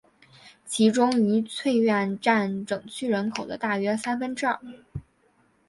其中愉翠苑占整区人口的大约三分之二。